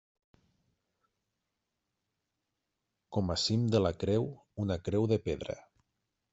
Com a cim de la creu, una creu de pedra.